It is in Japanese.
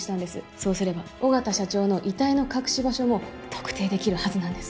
そうすれば緒方社長の遺体の隠し場所も特定できるはずなんです